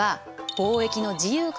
貿易の自由化？